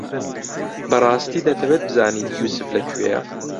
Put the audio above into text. بەڕاستی دەتەوێت بزانیت یووسف لەکوێیە؟